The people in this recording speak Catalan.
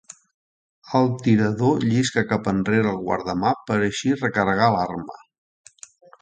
El tirador llisca cap enrere el guardamà per a així recarregar l'arma.